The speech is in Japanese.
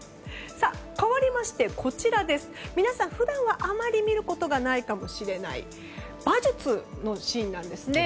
かわりまして、皆さん普段あまり見ることがないかもしれない馬術のシーンなんですね。